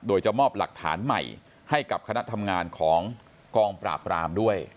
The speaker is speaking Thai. โดยจะมอบหลักฐานใหม่ให้กับคณะทำงานของกองปราบรามด้วย